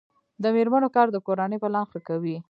د میرمنو کار د کورنۍ پلان ښه کوي.